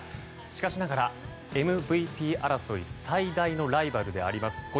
しかしながら、ＭＶＰ争い最大のライバルであります